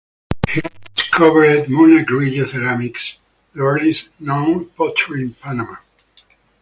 He discovered Monagrillo ceramics, the earliest known pottery in Panama.